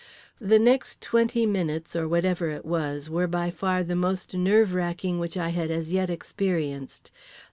The next twenty minutes, or whatever it was, were by far the most nerve racking which I had as yet experienced.